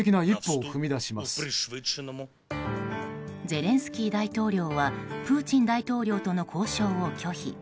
ゼレンスキー大統領はプーチン大統領との交渉を拒否。